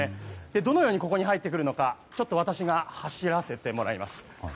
どのようにここに入ってくるのか私が走らせてもらいます。